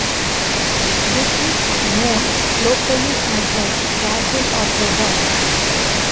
This is known locally as the Castle of the Dogs.